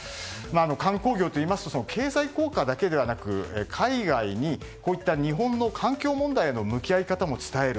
観光業といいますと経済効果だけではなく海外に日本の環境問題への向き合い方も伝える。